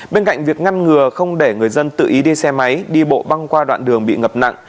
bên cạnh việc ngăn ngừa không để người dân tự ý đi xe máy đi bộ băng qua đoạn đường bị ngập nặng